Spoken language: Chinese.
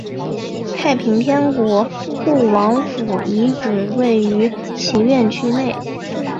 太平天国护王府遗址位于其院区内。